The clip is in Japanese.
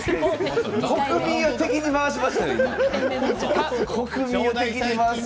国民を敵に回しましたね。